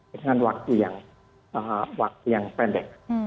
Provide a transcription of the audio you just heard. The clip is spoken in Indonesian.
dengan waktu yang pendek